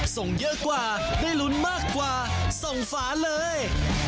ส่งเยอะกว่าได้ลุ้นมากกว่าส่งฝาเลย